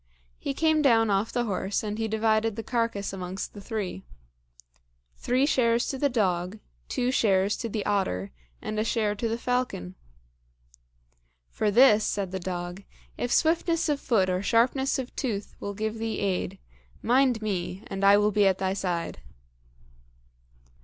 He came down off the horse and he divided the carcass amongst the three. Three shares to the dog, two shares to the otter, and a share to the falcon. "For this," said the dog, "if swiftness of foot or sharpness of tooth will give thee aid, mind me, and I will be at thy side."